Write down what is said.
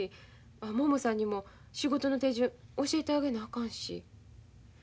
ももさんにも仕事の手順教えてあげなあかんし。